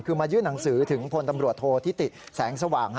คือมายื่นหนังสือถึงพลตำรวจโทษธิติแสงสว่าง